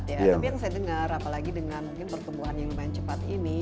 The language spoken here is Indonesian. tapi yang saya dengar apalagi dengan mungkin pertumbuhan yang lumayan cepat ini